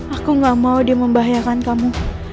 aku gak mau dia membahayakan kamu